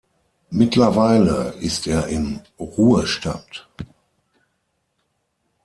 Mittlerweile ist er im Ruhestand.